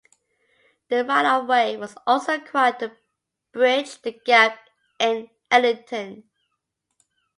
A right of way was also acquired to bridge the gap in Eglinton.